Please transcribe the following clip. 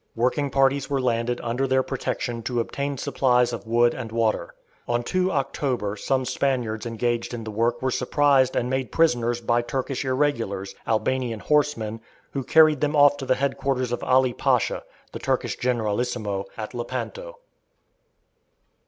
Working parties were landed under their protection to obtain supplies of wood and water. On 2 October some Spaniards engaged in the work were surprised and made prisoners by Turkish irregulars, Albanian horsemen, who carried them off to the headquarters of Ali Pasha, the Turkish generalissimo, at Lepanto.